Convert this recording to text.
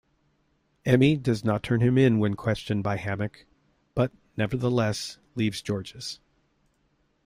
Emmy does not turn him in when questioned by Hammock, but nevertheless leaves Georges.